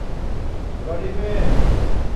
بڑی بہن